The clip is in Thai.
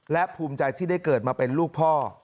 และภูมิใจที่ได้เกิดมาเป็นลูกพ่อ